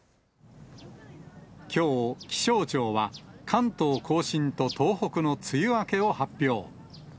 きょう、気象庁は関東甲信と東北の梅雨明けを発表。